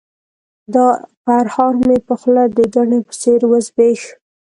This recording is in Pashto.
دا پرهار مې په خوله د ګني په څېر وزبیښ.